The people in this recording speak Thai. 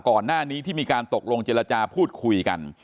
ก่อนหน้านี้ที่มีการตกลงเจรจาพูดคุยกัน